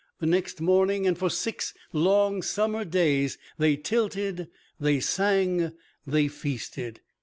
The next morning, and for six long summer days, they tilted, they sang, they feasted.